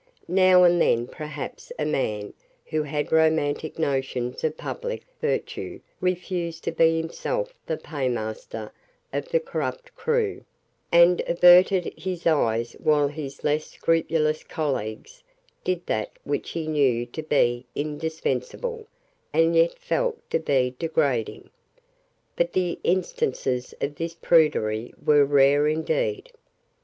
Now and then perhaps a man who had romantic notions of public virtue refused to be himself the paymaster of the corrupt crew, and averted his eyes while his less scrupulous colleagues did that which he knew to be indispensable, and yet felt to be degrading. But the instances of this prudery were rare indeed.